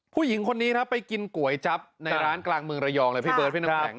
ผู้หญิงคนนี้ครับไปกินก๋วยจั๊บในร้านกลางเมืองระยองเลยพี่เบิร์ดพี่น้ำแข็ง